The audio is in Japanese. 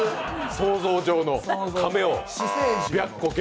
想像上のかめを？